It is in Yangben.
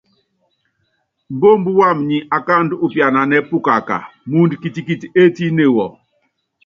Mbómbú wam nyi akáaandú úpiananɛ́ pukaká, muundɔ kitikiti étíne wɔ.